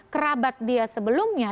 kerabat dia sebelumnya